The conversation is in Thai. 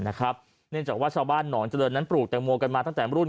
เนื่องจากว่าชาวบ้านหนองเจริญนั้นปลูกแตงโมกันมาตั้งแต่รุ่น